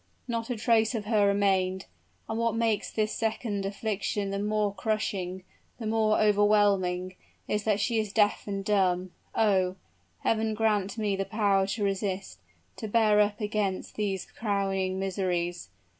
Not a trace of her remained and what makes this second affliction the more crushing the more overwhelming, is that she is deaf and dumb! Oh! Heaven grant me the power to resist, to bear up against these crowning miseries!